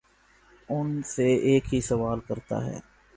ان سے ایک ہی سوال کرتا ہے